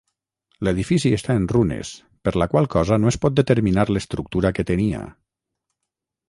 L'edifici està en runes, per la qual cosa no es pot determinar l'estructura que tenia.